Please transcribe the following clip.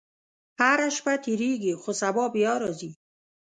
• هره شپه تېرېږي، خو سبا بیا راځي.